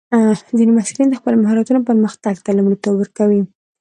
ځینې محصلین د خپلو مهارتونو پرمختګ ته لومړیتوب ورکوي.